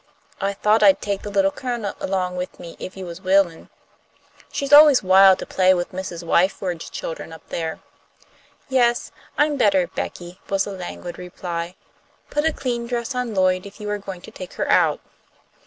I thought I'd take the Little Cun'l along with me if you was willin'. She's always wild to play with Mrs. Wyford's children up there." "Yes, I'm better, Becky," was the languid reply. "Put a clean dress on Lloyd if you are going to take her out."